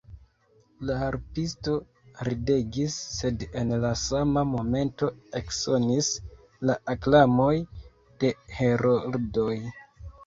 La harpisto ridegis, sed en la sama momento eksonis la aklamoj de heroldoj.